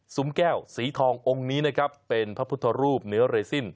ศูมิแก้วศรีทององค์นี้เป็นพระพุทธรูปเหนือเรสิน